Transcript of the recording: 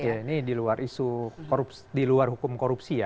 ya ini di luar isu di luar hukum korupsi ya